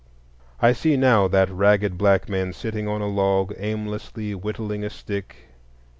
I see now that ragged black man sitting on a log, aimlessly whittling a stick.